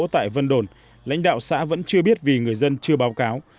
tại vân đồn lãnh đạo xã vẫn chưa biết vì người dân chưa báo cáo